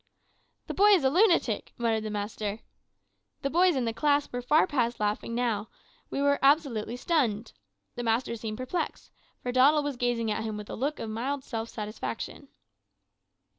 "`The boy is a lunatic!' muttered the master. "The boys in the class were far past laughing now; we were absolutely stunned. The master seemed perplexed, for Doddle was gazing at him with a look of mild self satisfaction.